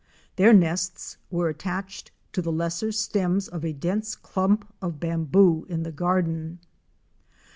Their nests were attached to the lesser stems of a dense clump of bamboo in the garden.